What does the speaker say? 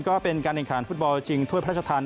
ก็เป็นการแข่งขันฟุตบอลชิงถ้วยพระราชทัน